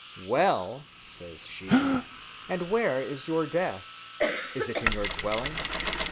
"Well," says she, "and where is your death? is it in your dwelling?"